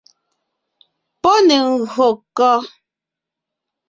Pɔ́ ne ngÿô kɔ́?